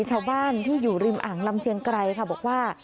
ชาวบ้านที่อยู่ริมอ่างลำเชียงไกรค่ะบอกว่า